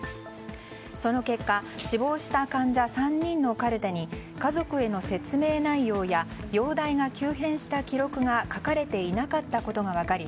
その結果死亡した患者３人のカルテに家族への説明内容や容体が急変した記録が書かれていなかったことが分かり